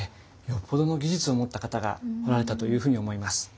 よっぽどの技術を持った方が彫られたというふうに思います。